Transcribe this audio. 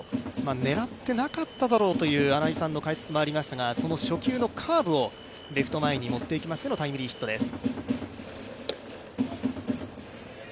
狙ってなかっただろうという新井さんの解説もありましたが、初球のカーブをレフト前に持っていきましてのタイムリーヒットです。